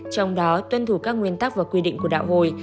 trong đó tuân thủ các nguyên tắc và quy định của đạo hồi